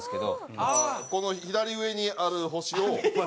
この左上にある星を。